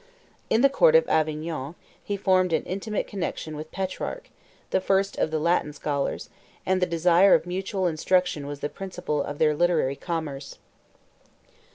89 In the court of Avignon, he formed an intimate connection with Petrarch, 90 the first of the Latin scholars; and the desire of mutual instruction was the principle of their literary commerce.